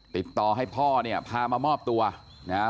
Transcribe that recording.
ติดต่อให้พ่อเนี่ยพามามอบตัวนะฮะ